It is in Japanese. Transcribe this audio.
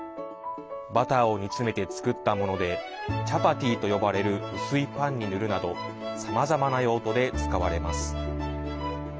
バターを煮詰めて作ったものでチャパティと呼ばれる薄いパンに塗るなどさまざまな用途で使われます。